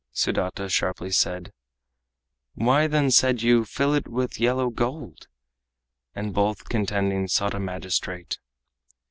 Sudata sharply said, "Why then said you, 'Fill it with yellow gold'?" And both contending sought a magistrate.